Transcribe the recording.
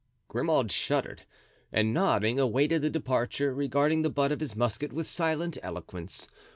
Grimaud shuddered, and nodding, awaited the departure, regarding the butt of his musket with silent eloquence.